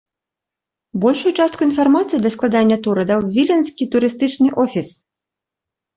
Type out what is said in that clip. Большую частку інфармацыі для складання тура даў віленскі турыстычны офіс.